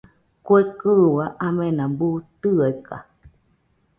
Kue kɨua amena buu tɨeka.